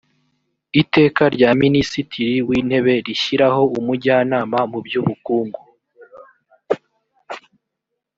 iteka rya minisitiri w intebe rishyiraho umujyanama mu by ubukungu